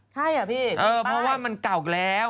เพราะว่ามันก่อกแล้ว